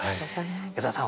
矢沢さん